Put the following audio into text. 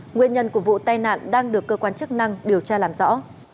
nguyên nhân của vụ tai nạn đang được cơ quan chức năng điều tra làm rõ